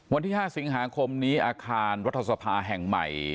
วันที่๕สิงหาคมนี้อาคารรัฐสภาแห่งใหม่